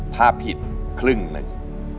ถ้าผิดครึ่งหนึ่ง